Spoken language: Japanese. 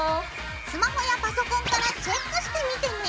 スマホやパソコンからチェックしてみてね。